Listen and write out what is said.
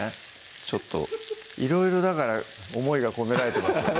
ちょっといろいろだから思いが込められてますよね